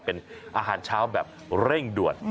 เป็นอาหารเช้าแบบเร่งด่วน